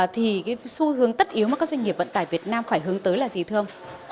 thì cái xu hướng tất yếu mà các doanh nghiệp vận tải việt nam phải hướng tới là gì thưa ông